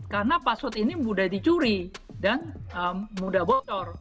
karena password ini mudah dicuri dan mudah bocor